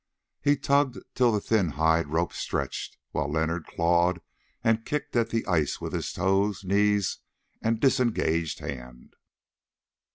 He tugged till the thin hide rope stretched, while Leonard clawed and kicked at the ice with his toes, knees, and disengaged hand.